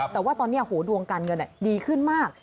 แต่ว่าตอนนี้ดวงการเงินดีขึ้นมาก